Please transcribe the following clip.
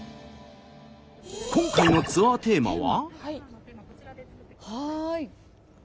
今回のツアーテーマは。